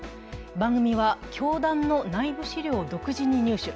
番組は教団の内部資料を独自に入手。